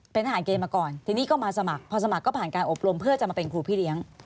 เป็นทหารเกณฑ์มาก่อนทีนี้ก็มาสมัครพอสมัครก็ผ่านการอบรมเพื่อจะมาเป็นครูพี่เลี้ยง